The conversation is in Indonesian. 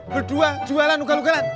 berdua jualan ugal ugalan